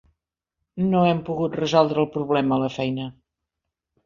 No hem pogut resoldre el problema a la feina.